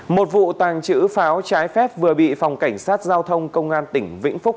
một vụ tàng trữ pháo trái phép vừa bị phòng cảnh sát giao thông công an tỉnh vĩnh phúc